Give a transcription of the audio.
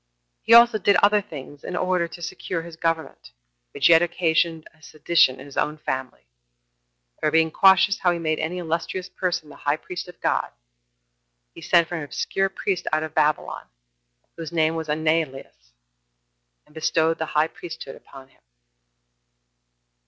He also did other things, in order to secure his government, which yet occasioned a sedition in his own family; for being cautious how he made any illustrious person the high priest of God, 2 he sent for an obscure priest out of Babylon, whose name was Ananelus, and bestowed the high priesthood upon him.